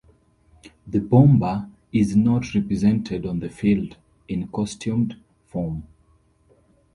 The "Bomber" is not represented on the field in costumed form.